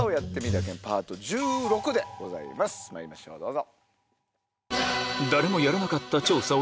まいりましょうどうぞ。